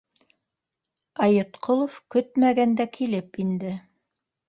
Айытҡолов көтмәгәндә килеп инде